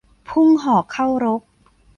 พุ่งหอกเข้ารก